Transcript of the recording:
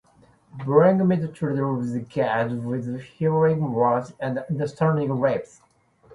Bring me the children of the gods with healing words and understanding lips.